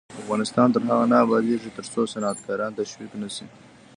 افغانستان تر هغو نه ابادیږي، ترڅو صنعتکاران تشویق نشي.